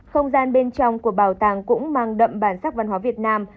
không gian bên trong của bảo tàng cũng mang đậm bản sắc văn hóa việt nam